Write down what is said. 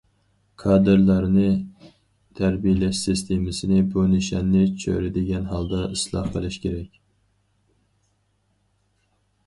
كادىرلارنى تەربىيەلەش سىستېمىسىنى بۇ نىشاننى چۆرىدىگەن ھالدا ئىسلاھ قىلىش كېرەك.